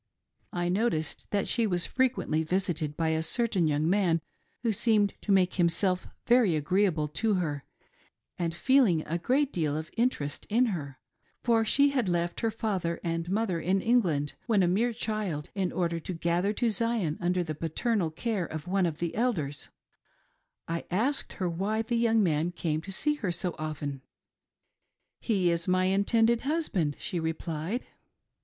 I noticed that she was frequently visited by a A YOUNG lady's FOUR HUSBANDS, 391 certain young man who seenaed to make himself very agree able to her, and feeling a great deal of interest in her — for she had left her father and mother in England, when a mere child, in order to gather to Zion under the paternal care of one of the Elders — I asked her why the young man cajne so often to see her. ," He is my intended husband/' she replied.